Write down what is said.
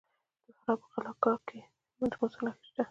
د فراه په قلعه کاه کې د مسو نښې شته.